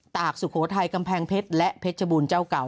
กสุโขทัยกำแพงเพชรและเพชรบูรณ์เจ้าเก่า